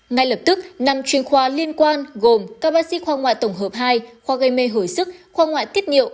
ngay lập tức năm chuyên khoa liên quan gồm các bác sĩ khoa ngoại tổng hợp hai khoa gây mê hồi sức khoa ngoại tiết nhiệu